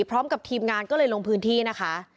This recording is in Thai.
พร้อมกับทีมงานก็เลยลงพื้นที่นะคะ